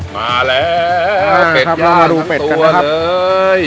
มาแล้วเพ็ดหญ้าทั้งตัวเลย